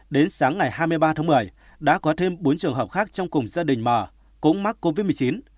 đến sáng ngày hai mươi ba tháng một mươi đã có thêm bốn trường hợp khác trong cùng gia đình m cũng mắc covid một mươi chín